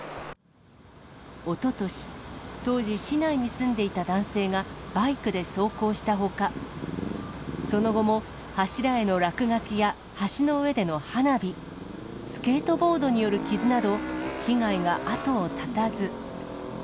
おととし、当時市内に住んでいた男性が、バイクで走行したほか、その後も柱への落書きや橋の上での花火、スケートボードによる傷など、被害が後を絶たず。